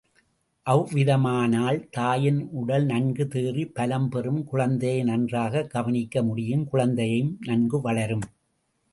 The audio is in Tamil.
அவ்விதமானால் தாயின் உடல் நன்கு தேறி பலம் பெறும், குழந்தையை, நன்றாகக் கவனிக்க முடியும், குழந்தையும் நன்கு, வளரும்.